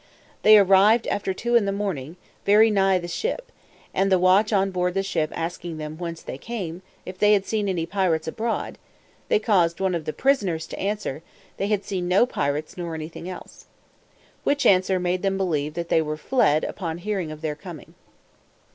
They arrived, after two in the morning, very nigh the ship; and the watch on board the ship asking them, whence they came, and if they had seen any pirates abroad? They caused one of the prisoners to answer, they had seen no pirates, nor anything else. Which answer made them believe that they were fled upon hearing of their coming.